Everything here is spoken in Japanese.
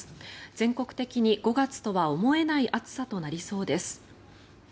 全国的に５月とは思えない暑さとなりそうです。